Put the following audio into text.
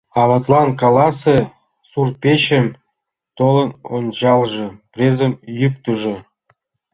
— Аватлан каласе: суртпечемым толын ончалже, презым йӱктыжӧ.